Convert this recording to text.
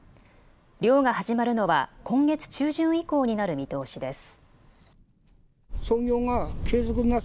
漁が始まるのは今月中旬以降になる見通しです。